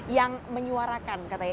yang menyuarakan katanya